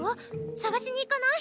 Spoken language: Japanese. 捜しに行かない？